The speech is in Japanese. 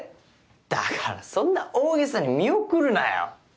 だからそんな大げさに見送るなよ。